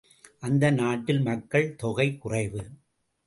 அந்த நாட்டில் மக்கள் தொகை குறைவு.